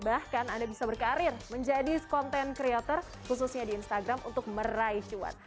bahkan anda bisa berkarir menjadi content creator khususnya di instagram untuk meraih cuan